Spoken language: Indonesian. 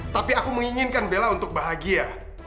tapi aku menginginkan bella untuk bahagia